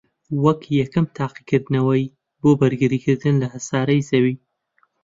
وەک یەکەم تاقیکردنەوەی بۆ بەرگریکردن لە هەسارەی زەوی